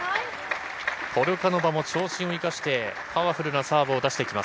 ポルカノバを長身を生かして、パワフルなサーブを出していきま